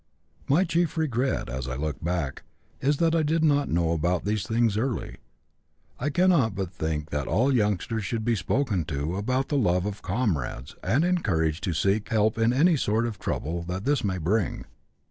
"My chief regret, as I look back, is that I did not know about these things early. I cannot but think that all youngsters should be spoken to about the love of comrades and encouraged to seek help in any sort of trouble that this may bring.